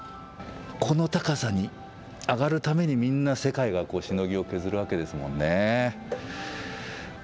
この高さに上がるために、みんな世界がしのぎを削るわけですもんね。